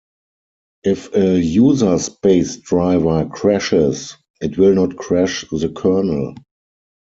If a user-space driver crashes, it will not crash the kernel.